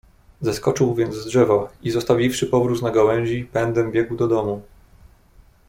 "Zeskoczył więc z drzewa i zostawiwszy powróz na gałęzi, pędem biegł do domu."